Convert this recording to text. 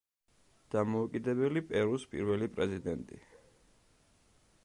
დამოუკიდებელი პერუს პირველი პრეზიდენტი.